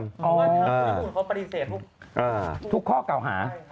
อ๋อคุณน้ำอุ่นเขาปฏิเสธทุกข้อเก่าหา